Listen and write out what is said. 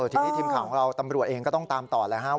ทีนี้ทีมข่าวของเราตำรวจเองก็ต้องตามต่อแล้วครับ